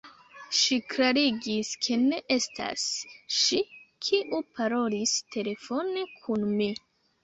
Ŝi klarigis, ke ne estas ŝi, kiu parolis telefone kun mi.